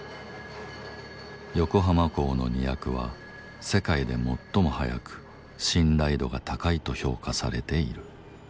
横浜港の荷役は世界で最も速く信頼度が高いと評価されている。